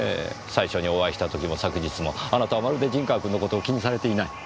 最初にお会いした時も昨日もあなたはまるで陣川君の事を気にされていない。